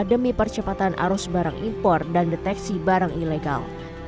demi percepatan arus barang impor dan deteksi barang ilegal